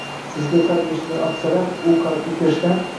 Sizga qalb eshigini ochsalar, u qalbga kirishdan